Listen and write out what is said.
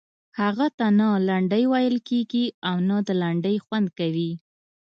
هغه ته نه لنډۍ ویل کیږي او نه د لنډۍ خوند کوي.